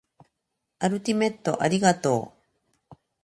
アルティメットありがとう